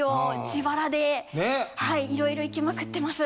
自腹でいろいろ行きまくってます。